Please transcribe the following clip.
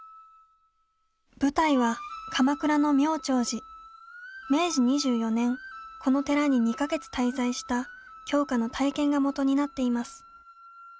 舞台は鎌倉の明治２４年この寺に２か月滞在した鏡花の体験がもとになっています。